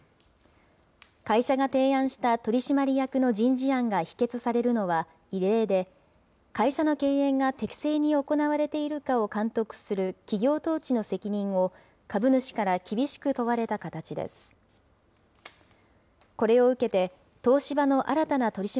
会社が提案した取締役の人事案が否決されるのは異例で、会社の経営が適正に行われているかを監督する企業統治の責任を、株主から厳しく問われた形です。